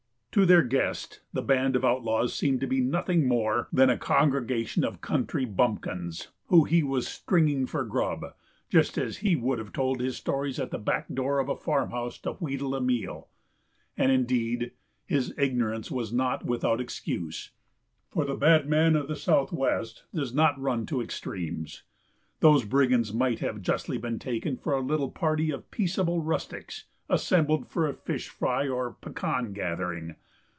To their guest the band of outlaws seemed to be nothing more than a congregation of country bumpkins whom he was "stringing for grub" just as he would have told his stories at the back door of a farmhouse to wheedle a meal. And, indeed, his ignorance was not without excuse, for the "bad man" of the Southwest does not run to extremes. Those brigands might justly have been taken for a little party of peaceable rustics assembled for a fish fry or pecan gathering.